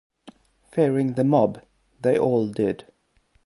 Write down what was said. Fearing the mob, they all did.